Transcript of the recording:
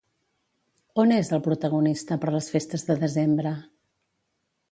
On és, el protagonista, per les festes de desembre?